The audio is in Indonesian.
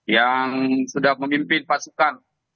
yang sudah memimpin pasukan